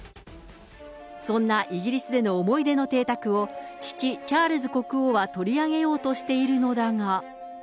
そんなイギリスでの思い出の邸宅を、父、チャールズ国王は取り上げようとしているのだが。